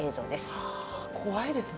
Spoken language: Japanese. いや怖いですね。